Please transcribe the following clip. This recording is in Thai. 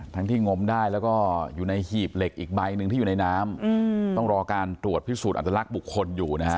ทั้งที่งมได้แล้วก็อยู่ในหีบเหล็กอีกใบหนึ่งที่อยู่ในน้ำต้องรอการตรวจพิสูจนอัตลักษณ์บุคคลอยู่นะฮะ